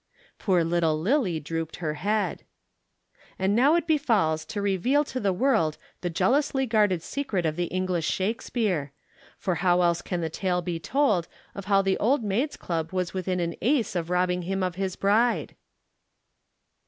Poor little Lillie drooped her head. And now it befalls to reveal to the world the jealously guarded secret of the English Shakespeare, for how else can the tale be told of how the Old Maids' Club was within an ace of robbing him of his bride?